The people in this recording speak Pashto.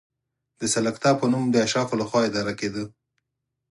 د سلکتا په نوم د اشرافو له خوا اداره کېده.